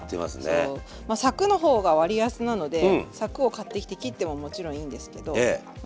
そうまあさくの方が割安なのでさくを買ってきて切ってももちろんいいんですけどま